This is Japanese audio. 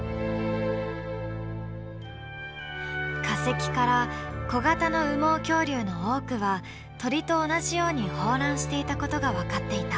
化石から小型の羽毛恐竜の多くは鳥と同じように抱卵していたことが分かっていた。